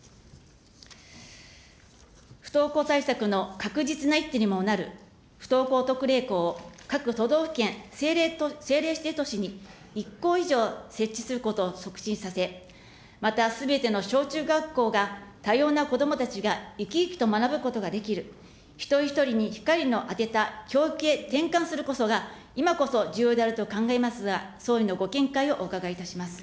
不登校対策の確実な一手にもなる不登校特例校を、各都道府県、政令指定都市に１校以上設置することを促進させ、またすべての小中学校が多様なこどもたちが生き生きと学ぶことができる、一人一人に光の当てた教育へ転換することこそが、今こそ重要であると考えますが、総理のご見解をお伺いいたします。